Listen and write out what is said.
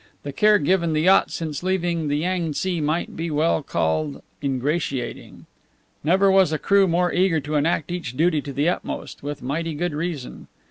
The care given the yacht since leaving the Yang tse might be well called ingratiating. Never was a crew more eager to enact each duty to the utmost with mighty good reason.